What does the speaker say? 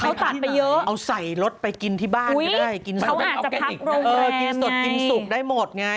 าาลุยินไจน์บ้าง